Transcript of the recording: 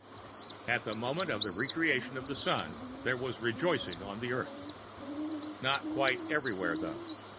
At the moment of the Re creation of the Sun, there was rejoicing on the Earth. Not quite everywhere, though.